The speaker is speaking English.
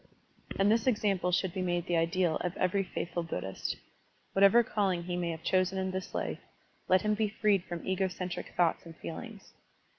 And this example should be made the ideal of every faithful Buddhist. Whatever calling he may have chosen in this life, let him be freed from ego centric thoughts and feelings.